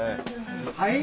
はい！